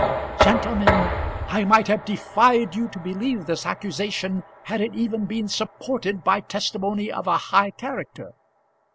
Gentlemen, I might have defied you to believe this accusation had it even been supported by testimony of a high character.